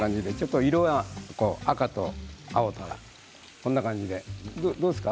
色が赤と青、こんな感じでどうですか？